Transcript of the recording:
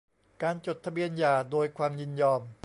การจดทะเบียนหย่าโดยความยินยอม